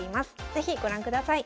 是非ご覧ください。